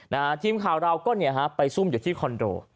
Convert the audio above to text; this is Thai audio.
ทีมข่าวเราก็เนี่ยฮะไปซุ่มอยู่ที่คอนโด